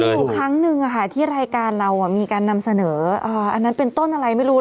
อยู่ครั้งหนึ่งที่รายการเรามีการนำเสนออันนั้นเป็นต้นอะไรไม่รู้